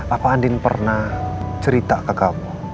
apa andin pernah cerita ke kamu